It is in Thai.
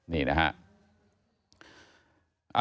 นี่นะฮะ